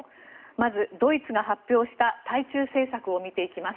まず、ドイツが発表した対中政策を見ていきます。